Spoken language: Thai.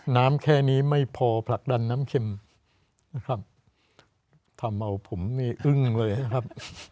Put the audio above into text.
แค่นี้ไม่พอผลักดันน้ำเข็มนะครับทำเอาผมนี่อึ้งเลยนะครับ